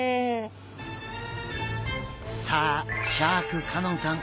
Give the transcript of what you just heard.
さあシャーク香音さん